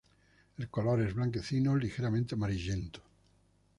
El color es blanquecino, ligeramente amarillento.